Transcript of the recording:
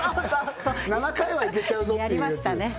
７回はいけちゃうぞっていうやりましたね